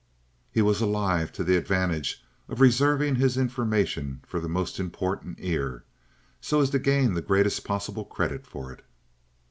He was alive to the advantage of reserving his information for the most important ear, so as to gain the greatest possible credit for it.